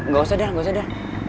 gak usah dah nggak usah dah